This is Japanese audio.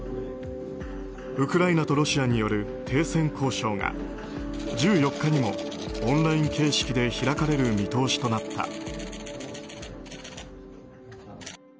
ウクライナとロシアによる停戦交渉が１４日にもオンライン形式で開かれる見通しとなった。